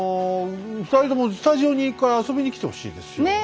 二人ともスタジオに１回遊びに来てほしいですよ。